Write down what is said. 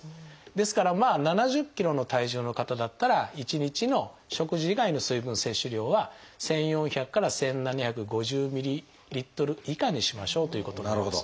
ですから７０ｋｇの体重の方だったら１日の食事以外の水分摂取量は１，４００から１，７５０ｍＬ以下にしましょうということになります。